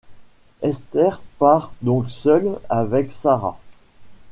Esther part donc seule avec Sarah.